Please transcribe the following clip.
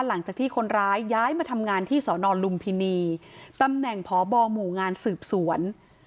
หลังจากที่คนร้ายย้ายมาทำงานที่สอนอนลุมพินีตำแหน่งพบหมู่งานสืบสวน